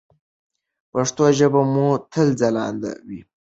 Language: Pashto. پښتو ژبه مو تل ځلانده وي.